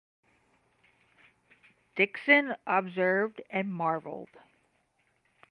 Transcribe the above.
Dickson observed and marvelled.